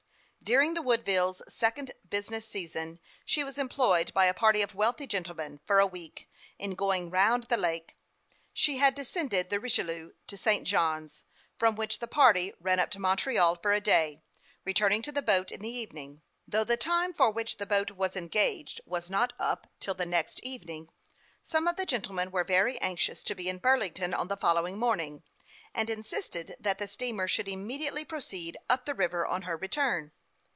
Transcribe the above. During the Woodville's second business season, she was employed by a party of wealthy gentlemen, for a week, in going round the lake. She had de scended the Richelieu to St. Johns, from which the party ran up to Montreal for a day, returning to the boat in the evening. Though the time for which the boat was engaged was not up till the next evening, some of the gentlemen were very anxious to be in Burlington on the following morning, and insisted that the steamer should immediately proceed up the river on. her return.